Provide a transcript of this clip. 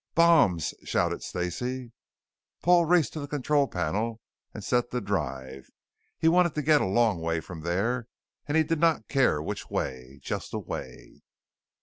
"Bombs!" shouted Stacey. Paul raced to the control panel and set the drive; he wanted to get a long way from there and he did not care which way. Just away....